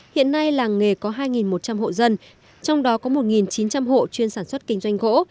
hiện nay làng nghề có hai một trăm linh hộ dân trong đó có một chín trăm linh hộ chuyên sản xuất kinh doanh gỗ